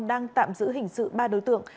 đang tạm giữ hình sự ba đối tượng